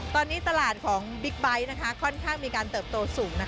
ตอนนี้ตลาดของบิ๊กไบท์ค่อนข้างมีการเติบโตสูง